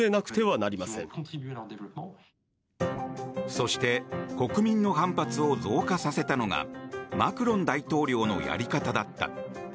そして、国民の反発を増加させたのがマクロン大統領のやり方だった。